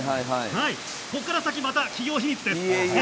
ここから先、また企業秘密です。